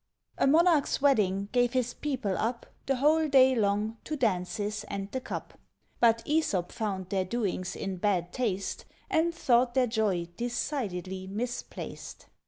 A Monarch's wedding gave his people up, The whole day long, to dances and the cup; But Æsop found their doings in bad taste, And thought their joy decidedly misplaced.